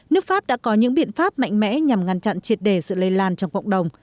nước pháp đã có những biện pháp mạnh mẽ nhằm ngăn chặn triệt đề sự lây lan trong cộng đồng